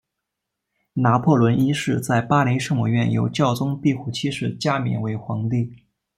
拿破仑一世在巴黎圣母院由教宗庇护七世加冕为皇帝。